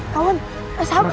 kawan eh sahabat